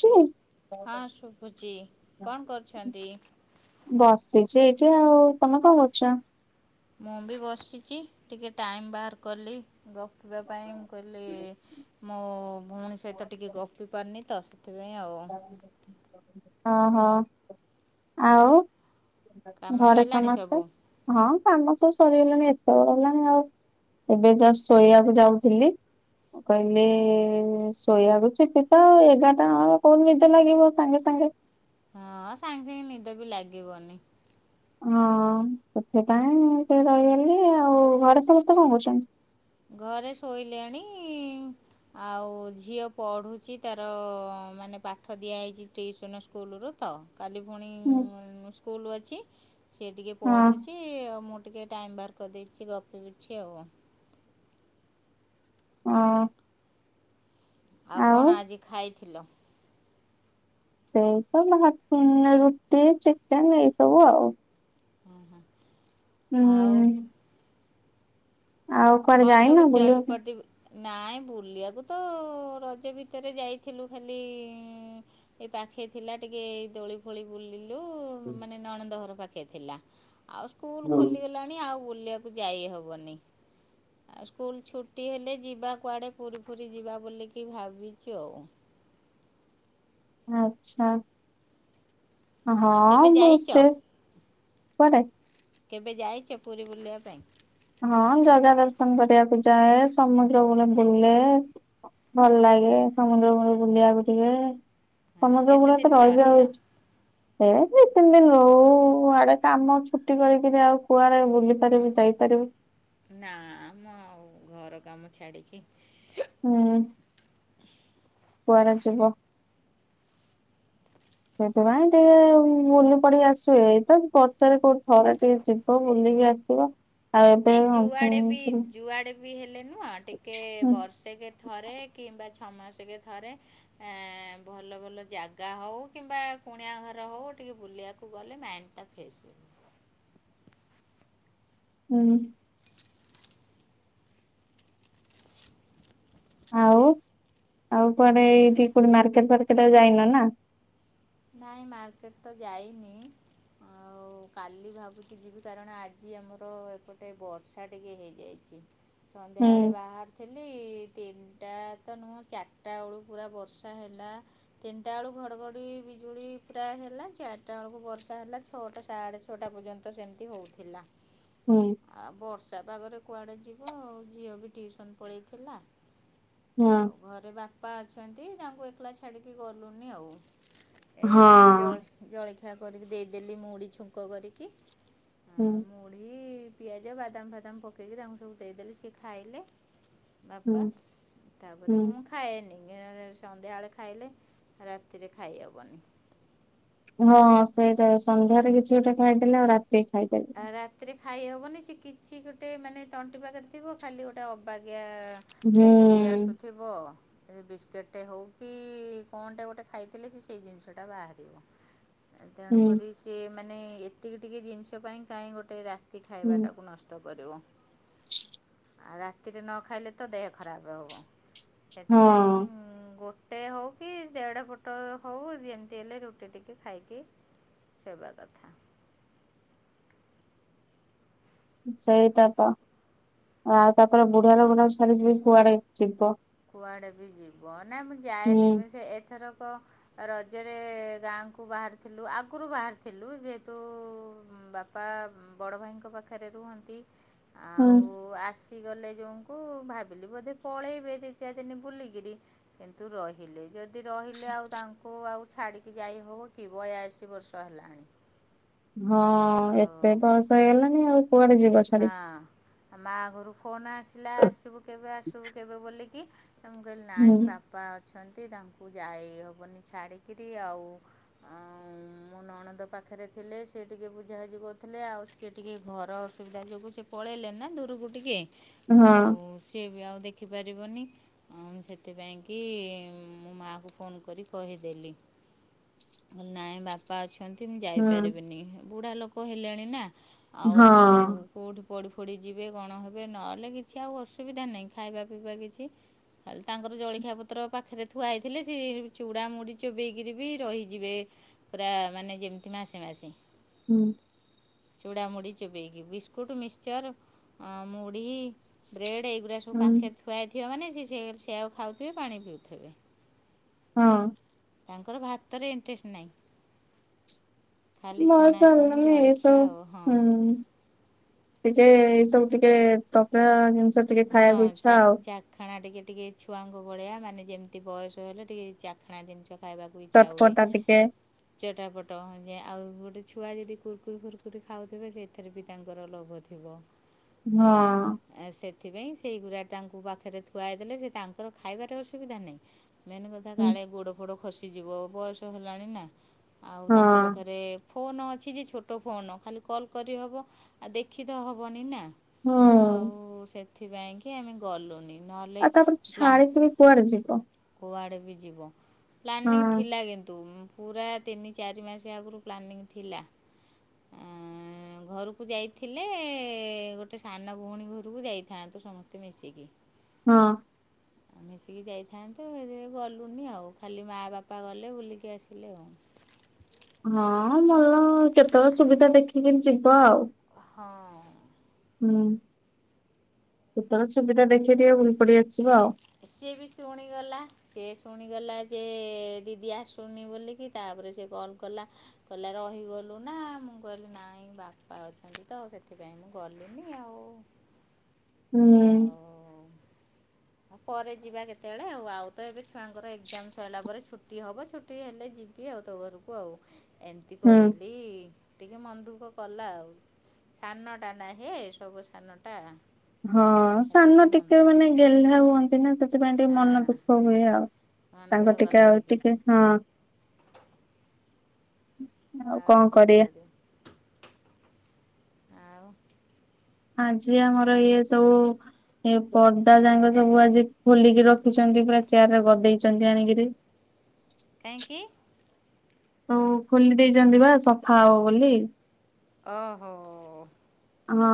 ଯେ ହଁ ଶୁଭୁଚି। କଣ କରୁଛନ୍ତି? ବସିଚି ଏଇଠି ଆଉ ତମେ କଣ କରୁଚ? ମୁଁ ବି ବସିଚି ଟିକେ ଟାଇମ ବାହାର କଲି। ଗପିବା ପାଇଁ ମୁଁ କହିଲି ମୋ ଭଉଣୀ ସହିତ ଟିକେ ଗପି ପାରୁନି ତ ସେଥିପାଇଁ ଆଉ ଓହୋ ଆଉ କାମ ଘରେ ସଇଲାଣି ସମସ୍ତେ ସବୁ ହଁ କାମ ସବୁ ସରିଗଲାଣି ଏତେ ବେଳ ହେଲାଣି ଆଉ ଏବେ ଯାହା ଶୋଇବାକୁ ଯାଉଥିଲି। ମୁଁ କହିଲେ ଓହୋ ଶୋଇବାକୁ ଯିବି ତ ଏଗାରଟା ନ ହୋଉ କୋଉ ନିଦ ଲାଗିବ ସାଙ୍ଗେ ସାଙ୍ଗେ। ହଁ ସାଙ୍ଗେ ସାଙ୍ଗେ ନିଦ ବି ଲାଗିବନି। ହଁ ସେଥିପାଇଁ ମୁ ଟିକେ ରହିଗଲି। ଆଉ ଘରେ ସମସ୍ତେ କଣ କରୁଚନ୍ତି? ଘରେ ଶୋଇଲେଣି ଆଉ ଝିଅ ପଡୁଚି ତାର ମାନେ ପାଠ ଦିଆ ହେଇଚି ଟିଉସନ୍ ସ୍କୁଲରୁତ କାଲି ପୁଣି ହଁ ସ୍କୁଲ ଅଛି। ସେ ଟିକେ ପଡୁଚି ମୁଁ ଟିକେ ଟାଇମ୍ ବାହାର କରି ଦେଇଚି ଗପିବି ଛୁ ଆଉ ହଁ। ଆଉ କଣ ଆଜି ଖାଇଥିଲ? [unintelligible] ରୁଟି ଚିକେନ ଏଇ ସବୁ ଆଉ ହୁଁ ହୁଁ ଆଉ ହୁଁ ଆଉ କୁଆଡେ କ'ଣ ସବୁ ଯାଇନ ବୁଲିବା ପାଇଁ? ଚଟପଟି ନାଇଁ ବୁଲିବାକୁ ତ ରଜ ଭିତରେ ଯାଇଥିଲୁ ଖାଲି ଏ ପା ଖେ ଥିଲା ଟିକେ ଏଇ ଦୋଳି ଫୋଳି ବୁଲି ଲୁ ମାନେ ନଣନ୍ଦ ଘର ପାଖେ ଥିଲା ଆଉ ସ୍କୁଲ ଖୋଲିଗଲାଣି ଆଉ ବୁଲିଆକୁ ଯାଇ ହବନି। ଆଉ ସ୍କୁଲ ଛୁଟି ହେଲେ ଯିବା କୁଆଡେ ପୁରୀ ଫୁରୀ ଯିବା ବୋଲିକି ଭାବିଚୁ ଆଉ [inaudible] ଆଚ୍ଛା ଆଉ କେବେ ହଁ ଯାଇଛ ବସେ। କଣ କେବେ ଯାଇଚ ପୁରୀ ବୁଲିବା ପାଇଁ? ହଁ ଜଗା ଦର୍ଶନ କରିବାକୁ ଯାଏ ସମୁଦ୍ର କୂଳ ବୁଲେ। ଭଲ ଲାଗେ ସମୁଦ୍ର ଭୂମି ବୁଲିବାକୁ ଟିକେ। ହଁ ସମୁଦ୍ର କେତେ କୂଳ ଦିନ ତ ରହିଲ ବହିଯାଉଛି ଏଇୟା ଟିକେ ତିନି ଦିନ ରହୁ ଆଡେ କାମ ଛୁଟି କରିକିରି ଆଉ କୁଆଡେ ବୁଲି ପାରିବି ଯାଇପାରିବି? ନା ମ ଆଉ ଘର କାମ ଛାଡିକି। ହୁଁ। କୁଆଡେ ଯିବ? ହ [inaudible] ସେଥିପାଇଁ ଟିକେ ବୁଲି ପଡିକି ଆସିବ ଏଇ ତ ବର୍ଷାରେ କୋଉ ଥରେ ଟିକେ ଯିବ ବୁଲି କି ଆସିବ। ଆଉ ଏବେ ଏଇ ଯୁଆଡେ ବି ଯୁଆଡେ ବି ହେଲେ ନୁହଁ ଟିକେ ବର୍ଷେକେ ଥରେ କିମ୍ବା ଛଅ ମାସେକେ ଥରେ ଏଁ ଭଲ ଭଲ ଜାଗା ହଉ କିମ୍ବା କୁଣିଆ ଘର ହଉ। ଟିକେ ବୁଲିବାକୁ ଗଲେ ମାଇଣ୍ଡ ଟା ଫ୍ରେସ ହେଇଯିବ। ଉଁ ହୁଁ। ଆଉ ଆଉ କୁଆଡ଼େ ଏଇଠି କୋଉଠି ମାର୍କେଟ ଫାର୍କେଟ ଆଉ ଯାଇନ ନା? ନାଇଁ ମାର୍କେଟ ତ ଯାଇନି। ଆଉ କାଲି ଭାବୁଛିି ଯିବି କାରଣ ଆଜି ଆମର ଏପଟେ ବର୍ଷା ଟିକେ ହେଇଯାଇଛି। ସନ୍ଧ୍ୟା ହୁଁ ବେଳେ ବାହାରୁଥିଲି। ତିନିଟା ତ ନୁହଁ ଚାରିଟା ବେଳୁ ପୁରା ବର୍ଷା ହେଲା ତିନିଟା ବେଳୁ ଘଡଘଡି ବି ବିଜୁଳି ପୁରା ହେଲା ଚାରଟା ବେଳକୁ ବର୍ଷା ହେଲା ଛଅଟା ସାଢ଼େ ଛଅଟା ପର୍ଯ୍ୟନ୍ତ ସେମିତି ହଉଥିଲା। ହୁଁ। ବର୍ଷା ପାଗରେ କୁଆଡେ ଯିବ? ଆଉ ଝିଅ ବି ଟିଉସନ ପଳେଇଥିଲା। ଆଉ ଘରେ ବାପା ଅଛନ୍ତି ତାଙ୍କୁ ଏକଲା ଛାଡିକି ଗଲୁନି ଆଉ। ଏ ହଁ ତାଙ୍କୁ ଜଳ ଜଳଖିଆ କରିକି ଦେଇଦେଲି ମୁଡ଼ି ଛୁଙ୍କ କରିକି। ହୁଁ। କି ପିଆଜ ବାଦାମ ଫାଦାମ ପକେଇକି ତାଙ୍କୁ ସବୁ ଦେଇଦେଲି ସିଏ ଖାଇଲେ। ହୁଁ ବାପା ହୁଁ ତାପରେ ମୁଁ ଖାଏନି। ଗେରାରେ ସନ୍ଧ୍ୟାବେଳେ ଖାଇଲେ ରାତିରେ ଖାଇ ହବନି। ହଁ ସେଇଟା ସନ୍ଧ୍ୟାରେ କିଛି ଗୋଟେ ଖାଇଦେଲେ ଆଉ ରା ଆଉ ରାତିରେ ଖାଇ ହବନି ସେ କିଛି ଗୋଟେ ମାନେ ତଣ୍ଟି ପାଖରେ ଥିବ ଖାଲି ଗୋଟେ ଅବାଗିଆ। ଆ ହୁଁ ହେକୁଟି ଆସୁଥିବ। ସେ ବିସ୍କେଟ ଟେ ହଉ କି କଣ ଟେ ଗୋଟେ ଖାଇଦେଲେ ସେ ସେଇ ଜିନିଷ ଟା ବାହାରିବ। ହୁଁ ତେଣୁକରି ସିଏ ମାନେ ଏତିକି ଟିକେ ଜିନିଷ ପାଇଁ କାହିଁ ଗୋଟେ ରାତି ହୁଁ ଖାଇବାଟାକୁ ନଷ୍ଟ କରିବ। ଆଉ ରାତିରେ ନ ଖାଇଲେ ତ ଦେହ ଖରାପେ ହବ ସେଥିପାଇଁ ହଁ ଗୋ ଗୋଟେ ହଉ କି ଦେଢ ପଟ ହଉ ଯେମିତି ହେଲେ ରୁଟି ଟିକେ ଖାଇକି। ସେଇ ବା କଥା। ସେଇଟା ତ ଆଉ ତାପରେ ବୁଢା ଲୋକଟା କୁ ଛାଡିକି ବି କୁଆଡେ ଯିବ? କୁଆଡେ ବି ଯିବ? ନା ମୁଁ ହୁଁ ଯାଏନି ମୁଁ ସେ ଏ ଏଥରକ ରଜରେ ଗାଁକୁ ବାହାରିଥିଲୁ ଆଗରୁ ବାହାରିଥିଲୁ ଯେହେତୁ। ଉଁ ବାପା ଉଁ ବଡ ଭାଇଙ୍କ ପାଖରେ ରୁହନ୍ତି। ଉଁ। ଇ ଗଲେ ଯୋଉଙ୍କୁ ଭାବିଲି ବୋଧେ ପଳେଇବେ ଏଇ ଦି ଦି ଚାରିଦିନ ବୁଲିକିରି କିନ୍ତୁ ରହିଲେ ଯଦି ରହିଲେ ଆଉ ତାଙ୍କୁ ଆଉ ଛାଡିକି ଯାଇ ହବ କି ବୟାଶୀ ବର୍ଷ ହେଲାଣି? ହଁ ଏତେ ଆଉ ବୟସ ହେଇଗଲଣିି ଆଉ। କୁଆଡେ ଯିବ ଛାଡିକି। ହଁ ମା ଘରୁ ଫୋନ ଆସିଲା ଆସିବୁ କେବେ ଆସିବୁ କେବେ ବୋଲିକି? ମୁଁ କହିଲି ହୁଁ ନାଇଁ ବାପା ଅ ଅଛନ୍ତି ତାଙ୍କୁ ଯାଇହବନି ଛାଡ଼ିକିରି ଆଉ ଉଁ ମୁଁ ନଣନ୍ଦ ପାଖ ପାଖରେ ଥିଲେ ସିଏ ଟିକେ ବୁଝା ବୁଝି କରୁଥିଲେ ଆଉ ସିଏ ଟିକେ ଘର ଅସୁ ବିଧା ଯୋଗୁ ସେ ପଳେଇଲେ ନା ଦୂରକୁ ଟିକେ ଆଉ ହଁ ସିଏ ବି ଆଉ। ଦେଖିପାରିବନି ଅ, ମୁଁ ସେଥିପାଇଁକି ମୋ ମାଆକୁ ଫୋନ୍ କରି କହିଦେଲି। ନାଇଁ ବାପା ଅଛନ୍ତି। କି ମୁଁ ହୁଁ ଯାଇପାରିବିନି ବୁଢ଼ା ଲୋକ ହେଲେଣି ନା। ଆଉ ହଁ କୋଉଠି ପଡି ଫଡି ଯିବେ କଣ ହେବେ ନହେଲେ କିଛି ଆଉ ଅସୁବିଧା ନାହିଁ। ଖାଇବା ପିଇବା କିଛି। ଖାଲି ତାଙ୍କର ଜଳିଖିଆ ପତ୍ର ପାଖରେ ଥୁଆ ହେଇଥିଲେ ସେ ଚୁଡ଼ା ମୁଢି ଚୁବେଇକିରି ବି ରହିଯିବେ। ପୁରା ମାନେ ଯେମିତି ମାସେ ମାସେ। ହୁଁ। ଚୂଡ଼ା ମୁଢି ଚୁବେଇକି ବିସ୍କୁଟ ମିଶ୍ଚର ଆଉ ମୁଢି। ବ୍ରେଡ ଏଇଗୁରା ସବୁ ହୁଁ ପାଖରେ ଥୁଆ ହେଇଥିବ ମାନେ ସିଏ ସେୟାକୁ ଆଉ ଖାଉଥିବେ ପାଣି ପିଉଥିବେ। ହଁ। ତାଙ୍କର ଭାତରେ ଇଣ୍ଟରେଷ୍ଟ ନାହିଁ। ଖାଲି ବୟସ ଛଣାଛଣି ହେଲାଣି ଏ ସ ଜଳଖିଆ ଆଉ ହଁ। ଯେ ଟିକେ ଏଇ ସବୁ ଟିକେ [unintelligible] ଜିନି ହଁ ଚା ଚାଖଣା ଟିକେ ଟିକେ ଛୁଆଙ୍କ ଭଳିଆ ମାନେ ଯେମିତି ବୟସ ହେଲେ ଟିକେ ଏ ଚାଖଣା ଜିନିଷ। ତ ଖାଇବାକୁ ଇଚ୍ଛା ହୁଏ। ଚଟପଟା ଟିକେ ଚଟାପଟ ଯେ ଆଉ ଗୋଟେ ଛୁଆ ଯଦି କୁୁରକୁରି ଫୁୁରକୁରି ଖାଉଥିବେ ସେଥେରେ ବି ତାଙ୍କର ଲୋଭ ଥିବ। ହଁ ହେଲା ଆ, ସେ ସେଥିପାଇଁ ସେଇ ଗୁରା ତାଙ୍କୁ ପାଖରେ ଥୁଆଇ ଦେଲେ ସେ ତାଙ୍କର ଖାଇବାଟା ଅସୁବିଧା ନାହିଁ। ମେନ୍ କଥା ହଁ କାଳେ ଗୋଡ ଫୋଡ ଖସିଯିବ। ବୟସ ହେଲାଣି ନା। ଆଉ ତାଙ୍କ ପାଖରେ ଫୋନ୍ ଅଛି ଯେ ଛୋଟ ଫୋନ୍ ଖାଲି କଲ୍ କରିହବ। ଆଉ ଦେଖି ତ ହବନି ନା। ହୁଁ ଆଉ ସେଥିପାଇଁ କି ଆମେ ଗଲୁନି। ନହେଲେ ଆଉ ତାପରେ ଛାଡିକିରି କୁଆଡେ ଯିବ। କୁଆଡେ ବି ଯିବ। ହଁ ପ୍ଲାନିଂ ଥିଲା କିନ୍ତୁ ମୁଁ ପୁରା ତିନି ଚାରି ମାସ ଆଗୁରୁ ପ୍ଲାନିଂ ଥିଲା। ଅଁ, ଘରକୁ ଯାଇଥିଲେ ଗୋଟେ ସାନ ଭଉଣୀ ଘରକୁ ଯାଇଥାନ୍ତୁ। ସମସ୍ତେ ମିଶିକି। ହଁ। ମିଶିକି ଯାଇଥାନ୍ତୁ ସେଥିପାଇଁ ଗଲୁନି ଆଉ। ଖାଲି ମା ବାପା ଗଲେ ବୁଲିକି ଆସିଲେ ଆଉ। [inaudible] ହଁ ଭଲ କେତେବେଳେ ସୁବିଧା ଦେଖିକି ଯିବ ଆଉ। ହଁ। ହୁଁ, କେତେବେଳେ ସୁବିଧା ଦେଖେକି ଟିକେ ବୁଲି ପଡି ଆସିବ ଆଉ। ସିଏ ବି ଶୁଣିଗଲା, ସିଏ ଶୁଣିଗଲା ଯେ ଦିଦି ଆସୁନି ବୋଲିକି ତା ପରେ ସେ କଲ୍ କଲା କହିଲା ରହିଗଲୁ ନା ମୁଁ କହିଲି ନାଇଁ ବାପା ଅଛନ୍ତି ତ ଆଉ ସେଥି ପାଇଁ ମୁଁ ଗଲିନି ଆଉ। ଆଉ ହୁଁ। ପରେ ଯିବା କେତେବେଳେ ଆଉ। ଆଉ ତ ଏବେ ଛୁଆଙ୍କର ଏକ୍ଜାମ ସଇଲା ପରେ ଛୁଟି ହବ। ଛୁଟି ହେଲେ ଯିବି ଆଉ ତୋ ଘରକୁ ଆଉ ଏମିତି ହୁଁ କହିଲି। ଟିକେ ମନ ଦୁଃଖ କଲା ଆଉ ସାନଟା ନା ହେ ସବୁ ସାନଟା। ହଁ ସାନ ସେଥିପାଇଁ ମନ ଟିକେ ଦୁଃଖ ମାନେ ଗେହ୍ଲା ହୁଅନ୍ତି ନା ସେଥିପାଇଁ ଟିକେ ମନ ହଁ ଦୁଃଖ ହୁଏ ଆଉ। ମନ ତାଙ୍କ ଦୁଃଖ ଟିକେ କଲା ଆଉ ଟିକେ ହଁ ଆଉ କଣ କରିବ? ଆଉ ଆଜି ଆମର ଇଏ ସବୁ ଏ ପର୍ଦା ଯାଙ୍କ ସବୁ ଆଜି ଖୋଲିକି ରଖିଛନ୍ତି। ତି ପୁରା ଚେୟାରରେ ଗଦେଇଚନ୍ତି ଆଣିକିରି। [inaudible] କାହିଁକି ଆଉ ଖୋଲି ଦେଇଚନ୍ତି ବା ସଫା ହବ ବୋଲି। ଓ ହୋ! ହଁ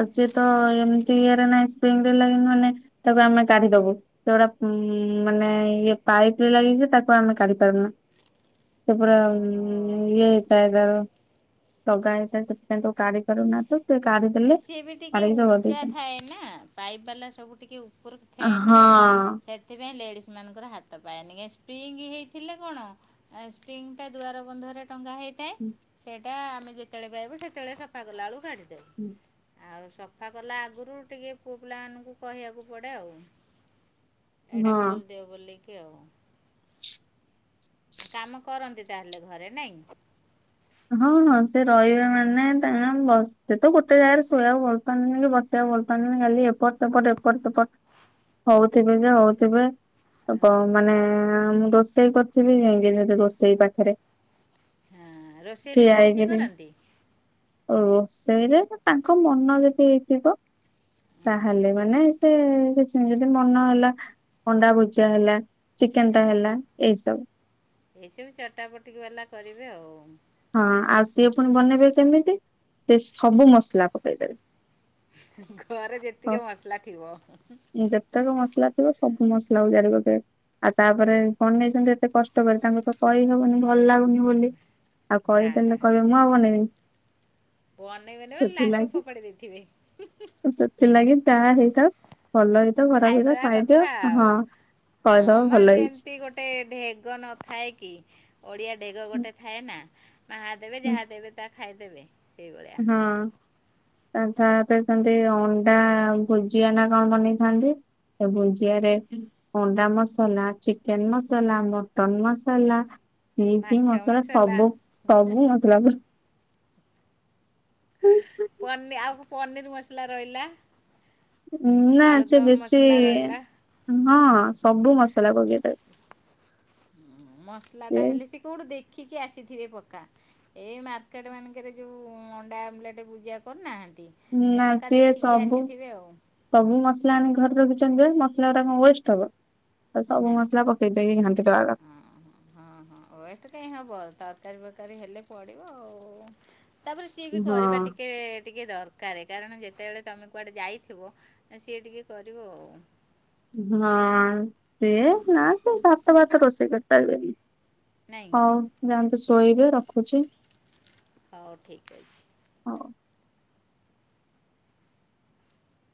ଆଜି ତ ଏମ୍ ତି ଇଏରେ ନାହିଁ ସ୍ପ୍ରିଙ୍ଗରେ ଲାଗିନି ମାନେ ତାକୁ ଆମେ କାଢ଼ିଦବୁ ସେଗୁରା ଉଁ ମାନେ ଇଏ ପାଇପ ରେ ଲାଗିଥିଲେ ତାକୁ ଆମେ କାଢ଼ି ପାରୁନା। ସେପରା ଓହୋ ଇଏ [unintelligible] ର ଲଗା ହେଇଥାଏ। ସେଥିପାଇଁ ତାକୁ କାଢ଼ି ପାରୁନା। ତ ସେ କାଢି ଏ ଦେଲେ ସିଏ ବି ଟିକେ କାଢିକି ଯୋଗେଇ ଉଚ୍ଚା ଦେଇଛନ୍ତି। ଥାଏ ନା ପାଇପ ବାଲା ସବୁ ଟିକେ ଉପରକୁ ଥାଏ ହଁ ନା। ସେଥିପାଇଁ ଲେଡିସ୍ ମାନଙ୍କର ହାତ ପାଏନି କେ ସ୍ପ୍ରିଙ୍ଗ ହେଇଥିଲେ କଣ ସ୍ପ୍ରିଙ୍ଗଟା ଦୁଆର ବନ୍ଧରେ ଟଙ୍ଗା ହୋଇଥାଏ ସେ ଟା ଆମେ ଯେତେବେଳେ ପାଇବୁ ସେତେବେଳେ ସଫା କଲା ବେଳକୁ କାଢ଼ି ଦେଉ। [inaudible] ଆଉ ସଫା କଲା ଆଗରୁ ଟିକେ ପୁଅ ପିଲାମାନଙ୍କୁ କହିବାକୁ ପଡ଼େ ଆଉ ଏଇଟା ହଁ। ଖୋଲିଦିଅ ବୋଲିକି ଆଉ କାମ କରନ୍ତି। ତାହେଲେ ଘରେ ନାଇଁ। ହଁ ହଁ ସେ ରହିବେ ମାନେ ତାଙ୍କ ବ ସେ ତ ଗୋଟେ ଜାଗାରେ ଶୋଇବାକୁ ଭଲ ପାଆନ୍ତିନି କି ବସିବାକୁ ଭଲ ପାଆନ୍ତିନି। ଖାଲି ଏପଟ ସେପଟ ଏପଟ ସେପଟ ହଉଥିବେ ଯେ ହଉଥିବେ। ଓହୋ ମାନେ ମୁଁ ରୋଷେଇ କରୁଥିବି ଯାଇଁକି ସେଠି ରୋଷେଇ ପାଖରେ। ହଁ ରୋଷେଇରେ ଠିଆ ସାହାଯ୍ୟ ହେଇକିରି କରନ୍ତି? ରୋଷେଇରେ ତାଙ୍କ ମନ ଯଦି ହେଇଥିବ ତାହେଲେ ମାନେ ସେ କିଛି ନାହିଁ ଯଦି ମନ ହେଲା ଅଣ୍ଡା ଭୁଜା ହେଲା ଚିକେନ ଟା ହଁ ହେଲା ଏଇ ସବୁ। ଏସବୁ ଚଟାପଟିକ ବାଲା କରିବେ ଆଉ। ହଁ ଆଉ ସିଏ ପୁଣି ବନେଇବେ କେମିତି ସେ ସବୁ ମସଲା ପକେଇଦେବେ। ଘରେ ସ ଯେତିକି ମସଲା ଥିବ। ଯେତେକ ମସଲା ସବୁ ମସଲା ଅଜାରି କରିଦେବେ ଆଉ ତାପରେ ବନେଇଛନ୍ତି ଏତେ କଷ୍ଟ କରି ତାଙ୍କୁ ତ କହିହବନି ଭଲ ଭଲ ଲାଗୁନି ବୋଲି ଆଉ ନା ନା କହିଦେଲେ କହିବେ ମୁଁ ଆଉ ବନେଇବିନି। ବନେଇବେନି ବୁଲି ଲାଷ୍ଟ କୁ ସେଥିଲାଗି ଫୋପାଡ଼ି ଦେଇଥିବେ। ତା ହେଇତ। ଘର ଭରା ଖାଇଦେବା ଖାଇଦିଅ କଥା ଆଉ ହଁ। ହଁ କହିଦବ ମା ଭଲ ହେଇଛି। ଯେମତି ଗୋଟେ ଢ଼େଗ ନଥାଏ କି ଓଡିଆ ଢ଼େଗ ଗୋଟେ ଥାଏ ନା। ମା ଦେବେ ଯାହା ଦେବେ ତାହା ଖାଇଦେବେ। ସେଇଭଳିଆ ହଁ। ତାପରେ ସେମତି ଅଣ୍ଡା ଭୁଜିଆ ନା କଣ ବନେଇଥାନ୍ତି। ଅଣ୍ଡା ଭୁଜିଆରେ ଅଣ୍ଡା ମସଲା ଚିକେନ ମସଲା ମଟନ ମସଲା। କି କି ମସଲା ସବୁ ସବୁ ମସଲାକୁ ଆଉ ପନିର ମସଲା ରହିଲା। ନା ସେ ଆଳୁଦମ ବେଶୀ ମସଲା ରହିଲା ହଁ ସବୁ ମସ [unintelligible] ମସଲା ଟା ହେଲେ ସେ କୋଉଁଠୁ ଦେଖିକି ଆସି ଥିବେ ପକ୍କା ଏଇ ମାର୍କେଟ ମାନଙ୍କରେ ଯୋଉଁ ଅଣ୍ଡା ଆମ୍ଲେଟ ବୁଜିଆ କରୁନାହାନ୍ତି ଏ ନା ପକ୍କା ସିଏ ଦେଖିକି ସବୁ ଆସିଥିବେ ଆଉ ସବୁ ମସଲା ଆଣି ଘରର କିଚେନ ରେ ମସଲା ଗୁରା କଣ ୱେଷ୍ଟ ହବ। ଆଉ ସବୁ ନା ମସଲା ପକେଇ ଦେଇକି ଘାଣ୍ଟି ଦବା କଥା। ହଁ ହଁ ୱେଷ୍ଟ କାଇଁ ହବ ତର ତରକାରୀ ବରକାରୀ ହେଲେ ପଡ଼ିବ ଆଉ ତାପରେ ସିଏ ବି ହଁ କରିବା ହଁ ଟିକେ ଟିକେ ଦରକାର। କାରଣ ଯେତେବେଳେ ତମେ କୁଆଡ଼େ ଯାଇଥିବ ସିଏ ଟିକେ କରିବ ଆଉ। ହଁ ସେ ନା ସେ ଭାତ ଫାତ ରୋଷେଇ କରିପାରିବେନି। ନାଇଁ ହଉ ଯାନ୍ତୁ ଶୋଇବେ ରଖୁଛି। ହଉ ଠିକ ଅଛି। ହଉ।